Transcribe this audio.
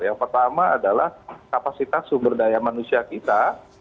yang pertama adalah kapasitas sumber daya manusia kita